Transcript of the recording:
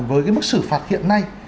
với cái mức xử phạt hiện nay